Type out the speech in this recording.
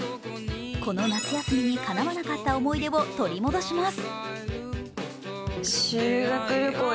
この夏休みに、かなわなかった思い出を取り戻します。